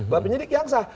bahwa penyidik yang sah